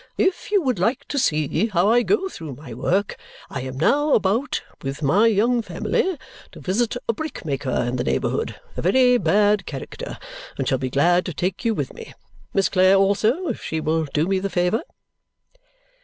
If you would like to see how I go through my work, I am now about with my young family to visit a brickmaker in the neighbourhood (a very bad character) and shall be glad to take you with me. Miss Clare also, if she will do me the favour."